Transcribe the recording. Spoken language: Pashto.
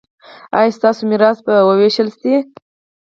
ایا ستاسو میراث به ویشل شي؟